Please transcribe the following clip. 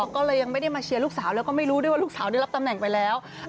ก็เลยยังไม่ได้มาเชียร์ลูกสาวแล้วก็ไม่รู้ด้วยว่าลูกสาวได้รับตำแหน่งไปแล้ว